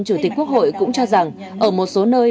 chủ tịch quốc hội cũng cho rằng ở một số nơi